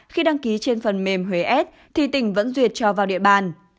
khi đăng ký trên phần mềm huế s thì tỉnh vẫn duyệt cho vào địa bàn